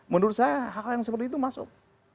menurut saya hal hal yang seperti itu masuk